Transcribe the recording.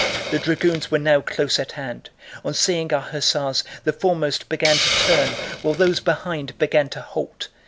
The dragoons were now close at hand. On seeing the hussars, the foremost began to turn, while those behind began to halt.